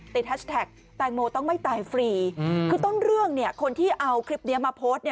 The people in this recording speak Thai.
แฮชแท็กแตงโมต้องไม่ตายฟรีคือต้นเรื่องคนที่เอาคลิปนี้มาโพสต์